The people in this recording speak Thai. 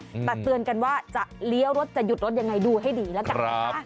แต่เตือนกันว่าจะเลี้ยวรถจะหยุดรถยังไงดูให้ดีแล้วกันนะคะ